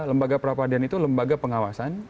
lembaga peradilan itu lembaga pengawasan